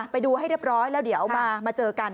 ไปดูให้เรียบร้อยแล้วเดี๋ยวมาเจอกัน